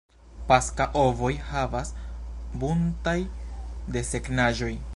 Paska ovoj havas buntaj desegnaĵoj.